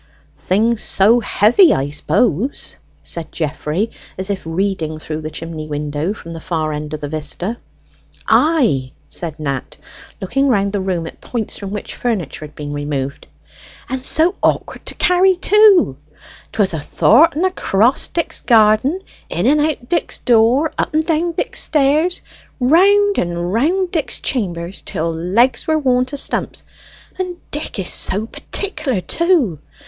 "Things so heavy, I suppose," said Geoffrey, as if reading through the chimney window from the far end of the vista. "Ay," said Nat, looking round the room at points from which furniture had been removed. "And so awkward to carry, too. 'Twas ath'art and across Dick's garden; in and out Dick's door; up and down Dick's stairs; round and round Dick's chammers till legs were worn to stumps: and Dick is so particular, too.